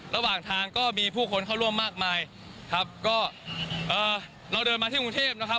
ระหว่างทางก็มีผู้คนเข้าร่วมมากมายครับก็เอ่อเราเดินมาที่กรุงเทพนะครับ